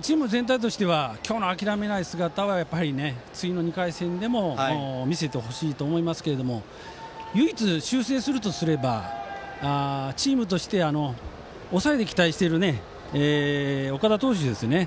チーム全体として今日の諦めない姿はやっぱり次の２回戦でも見せてほしいと思いますが唯一、修正するとすればチームとして抑えで期待している岡田投手ですね。